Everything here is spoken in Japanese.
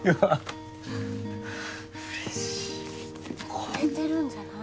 売れてるんじゃない？